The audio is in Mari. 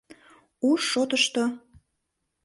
Уш шотышто...